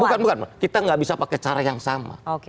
bukan bukan kita nggak bisa pakai cara yang sama